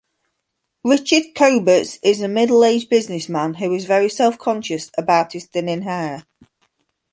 Richard Coberts is a middle-aged businessman who is very self-conscious about his thinning hair.